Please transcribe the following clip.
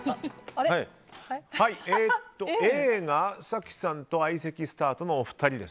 Ａが早紀さんと相席スタートのお二人。